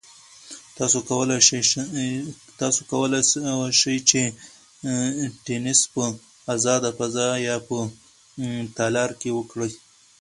تاسو کولای شئ چې تېنس په ازاده فضا یا په تالار کې وکړئ.